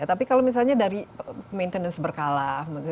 tapi kalau misalnya dari maintenance berkala